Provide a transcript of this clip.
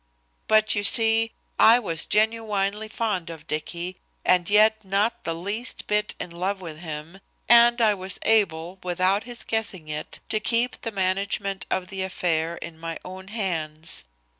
But, you see, I was genuinely fond of Dicky, and yet not the least bit in love with him, and I was able, without his guessing it, to keep the management of the affair in my own hands.